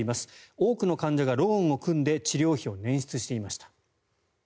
多くの患者がローンを組んで治療費を捻出していました。